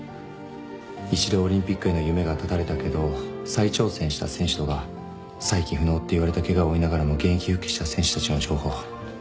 一度オリンピックへの夢がたたれたけど再挑戦した選手とか再起不能って言われたケガを負いながらも現役復帰した選手たちの情報。